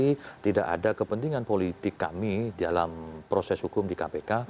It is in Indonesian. jadi tidak ada kepentingan politik kami dalam proses hukum di kpk